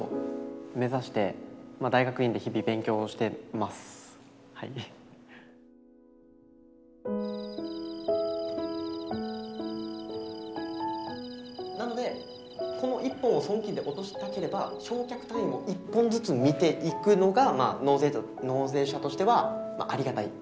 今はなのでこの１本を損金で落としたければ償却単位を１本ずつ見ていくのが納税者としてはありがたい。